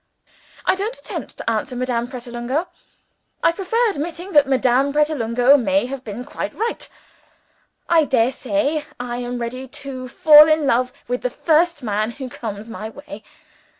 "I don't attempt to answer Madame Pratolungo! I prefer admitting that Madame Pratolungo may have been quite right. I dare say I am ready to fall in love with the first man who comes my way.